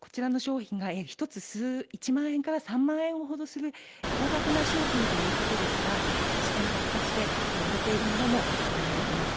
こちらの商品が１つ１万円から３万円ほどする高額な商品ということですが、下に落下して、割れているものも確認できます。